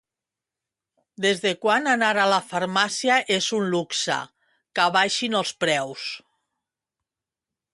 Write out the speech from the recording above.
Desde quan anar a la farmàcia és un luxe, que abaixin els preus